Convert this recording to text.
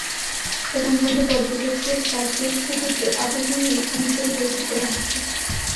এখন পর্যন্ত পর্যটকদের কাছে পুকুরটি আকর্ষণীয় স্থান হিসেবে গুরুত্ব পেয়ে আসছে।